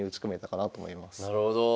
なるほど。